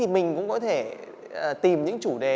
mình cũng có thể tìm những chủ đề